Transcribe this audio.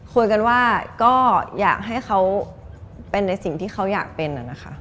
คุยกันว่าก็อยากให้เขาเป็นในสิ่งที่เขาอยากเป็นนะคะ